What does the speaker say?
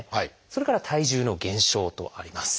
それから「体重の減少」とあります。